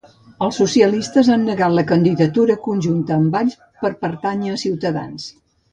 Els socialistes han negat la candidatura conjunta amb Valls per pertànyer a Ciutadans.